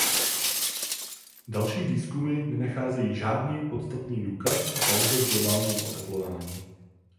Další výzkumy nenacházejí „žádný podstatný důkaz“ o pauze v globálním oteplování.